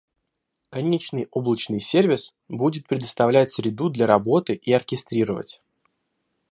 Конечный облачный сервис, будет предоставлять среду для работы и оркестрировать.